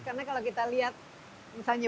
karena kalau kita lihat misalnya